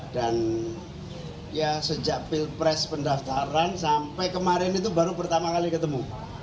dan ya sejak pilpres pendaftaran sampai kemarin itu baru pertama kali ketemu